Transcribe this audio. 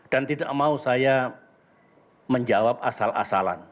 dan tidak mau saya menjawab asal asalan